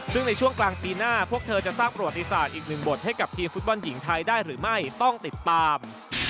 ซึ่งในช่วงกลางปีหน้าพวกเธอจะสร้างประวัติศาสตร์อีกหนึ่งบทให้กับทีมฟุตบอลหญิงไทยได้หรือไม่ต้องติดตาม